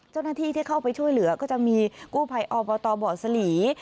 เจ้าหน้าที่ที่เข้าไปช่วยเหลือก็จะมีกู้ภัยอบตบ่อสลี